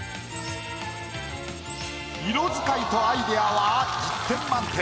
色使いとアイデアは１０点満点。